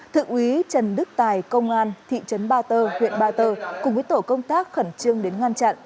thượng úy trần đức tài công an thị trấn ba tơ huyện ba tơ cùng với tổ công tác khẩn trương đến ngăn chặn